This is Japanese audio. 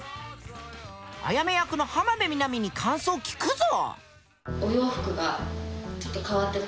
あやめ役の浜辺美波に感想聞くぞ。